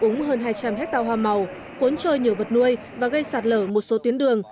úng hơn hai trăm linh hectare hoa màu cuốn trôi nhiều vật nuôi và gây sạt lở một số tuyến đường